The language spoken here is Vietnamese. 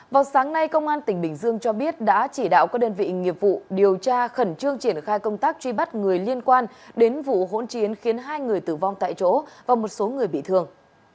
vào sáng nay công an tỉnh bình dương cho biết đã chỉ đạo các đơn vị nghiệp vụ điều tra khẩn trương triển khai công tác truy bắt người liên quan đến vụ hỗn chiến khiến hai người tử vong tại chỗ và một số người bị thương